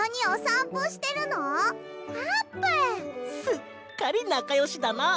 すっかりなかよしだな！